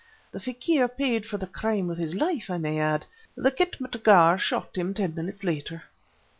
The fakîr paid for the crime with his life, I may add. The khitmatgar shot him, ten minutes later."